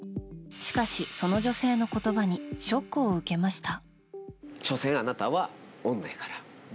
しかし、その女性の言葉にショックを受けました。